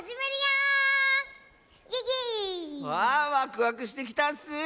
あワクワクしてきたッス！